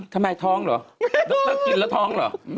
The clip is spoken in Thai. ทำไมท้องเหรอต้องกินและท้องเหรอ